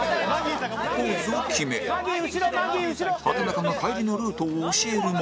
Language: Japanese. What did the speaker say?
ポーズを決め畠中が帰りのルートを教えるも